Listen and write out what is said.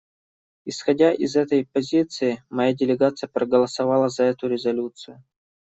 Исходя из этой позиции, моя делегация проголосовала за эту резолюцию.